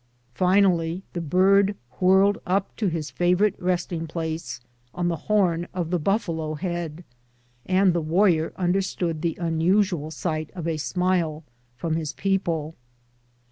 Finally the bird whirled up to his favorite resting place on the horn of the bujffalo head, and the warrior under stood the unusnal sight of a smile from his people.